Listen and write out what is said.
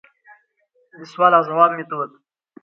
دسوال او ځواب ميتود: